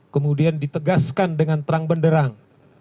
kemudian ditegaskan dengan terang benderang